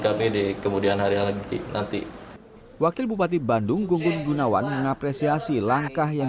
kami di kemudian hari lagi nanti wakil bupati bandung gunggun gunawan mengapresiasi langkah yang